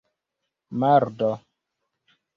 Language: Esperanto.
mardo